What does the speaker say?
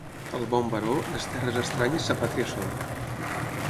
Al bon baró, les terres estranyes sa pàtria són.